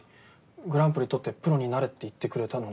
グランプリ獲ってプロになれって言ってくれたのに。